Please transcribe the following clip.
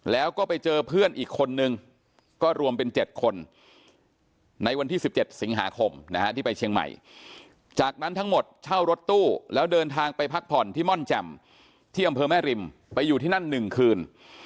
แล้วก็ไปเจอเพื่อนอีกคนนึงก็รวมเป็น๗คนในวันที่๑๗สิงหาคมนะฮะที่ไปเชียงใหม่จากนั้นทั้งหมดเช่ารถตู้แล้วเดินทางไปพักผ่อนที่ม่อนแจ่มที่อำเภอแม่ริมไปอยู่ที่นั่น๑คืน